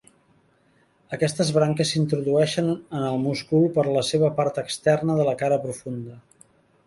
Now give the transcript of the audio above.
Aquestes branques s'introdueixen en el múscul per la seva part externa de la cara profunda.